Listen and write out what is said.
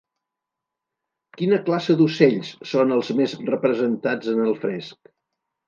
Quina classe d'ocells són els més representats en el fresc?